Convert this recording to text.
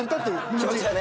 気持ちがね。